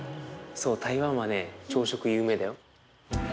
そう台湾はね朝食有名だよ。